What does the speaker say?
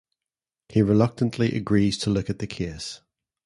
He reluctantly agrees to look at the case.